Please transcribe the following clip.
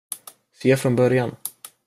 Se från början.